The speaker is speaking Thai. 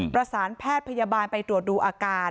ประสานแพทย์พยาบาลไปตรวจดูอาการ